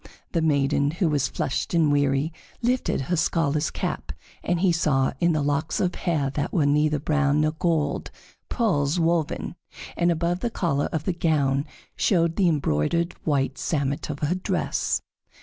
The maiden, who was flushed and weary, lifted her scholar's cap, and he saw, in the locks of hair that were neither brown nor gold, pearls woven; and above the collar of the gown showed the embroidered white samite of her dress.